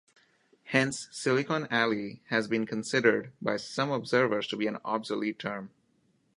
Hence 'Silicon Alley' has been considered by some observers to be an obsolete term.